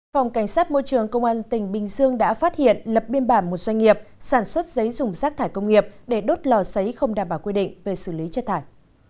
phòng cảnh sát môi trường công an tỉnh bình dương đã phát hiện lập biên bản một doanh nghiệp sản xuất giấy dùng rác thải công nghiệp để đốt lò xấy không đảm bảo quy định về xử lý chất thải